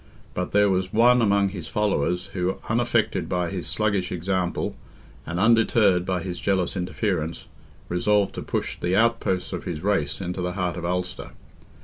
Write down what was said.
But there was one among his followers who, unaffected by his sluggish example, and undeterred by his jealous interference, resolved to push the outposts of his race into the heart of Ulster.